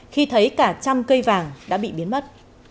khi thấy cả trăm cây vàng đã bị biến mất